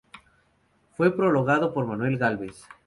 Fue prologado por Manuel Gálvez.